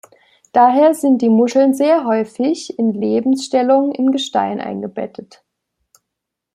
Daher sind die Muscheln sehr häufig in Lebensstellung im Gestein eingebettet.